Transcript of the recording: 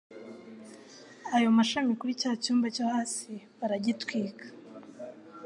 ayo mashami kuri cya cyumba cyo hasi baragitwika